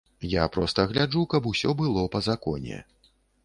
Я проста гляджу, каб усё было па законе.